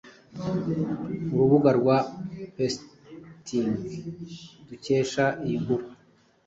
Urubuga rwa petsitting dukesha iyi nkuru,